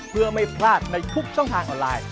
เพื่อไม่พลาดในทุกช่องทางออนไลน์